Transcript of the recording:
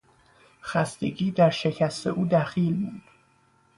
خستگی درشکست او دخیل بود.